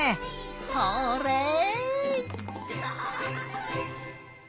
ホーレイ！